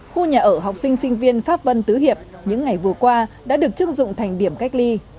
khu nhà ở học sinh sinh viên pháp vân tứ hiệp những ngày vừa qua đã được chức dụng thành điểm cách ly